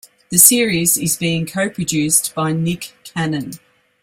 The series is being co-produced by Nick Cannon.